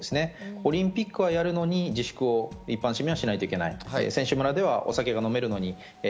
オリンピックはやるのに一般市民は自粛をしなきゃいけない。